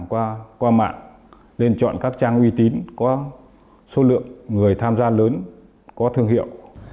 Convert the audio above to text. qua mạng nên chọn các trang uy tín có số lượng người tham gia lớn có thương hiệu